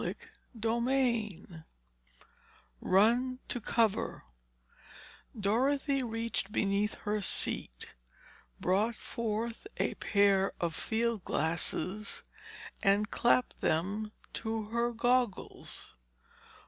Chapter XV RUN TO COVER Dorothy reached beneath her seat, brought forth a pair of field glasses and clapped them to her goggles.